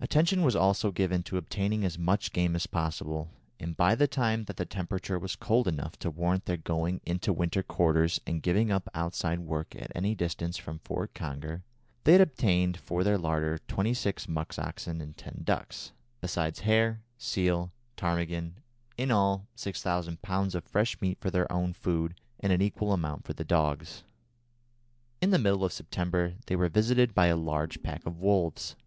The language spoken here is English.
Attention was also given to obtaining as much game as possible, and by the time that the temperature was cold enough to warrant their going into winter quarters and giving up outside work at any distance from Fort Conger, they had obtained for their larder twenty six musk oxen and ten ducks, besides hare, seal, and ptarmigan, in all 6000 lbs. of fresh meat for their own food, and an equal amount for the dogs. In the middle of September they were visited by a large pack of wolves.